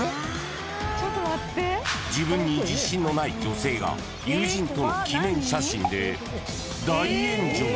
自分に自信のない女性が友人との記念写真で大炎上。